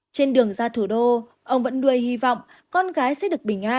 trên đường ra thủ đô ông vẫn nuôi hy vọng con gái sẽ được bình an